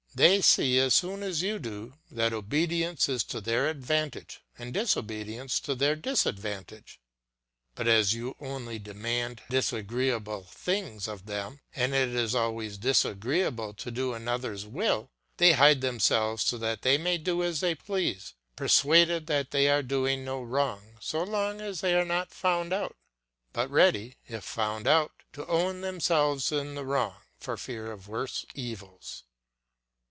They see as soon as you do that obedience is to their advantage and disobedience to their disadvantage. But as you only demand disagreeable things of them, and as it is always disagreeable to do another's will, they hide themselves so that they may do as they please, persuaded that they are doing no wrong so long as they are not found out, but ready, if found out, to own themselves in the wrong for fear of worse evils.